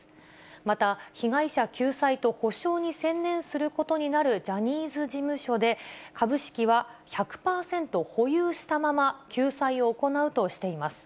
また被害者救済と補償に専念することになるジャニーズ事務所で、株式は１００％保有したまま、救済を行うとしています。